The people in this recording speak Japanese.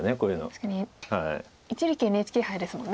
確かに一力ＮＨＫ杯ですもんね。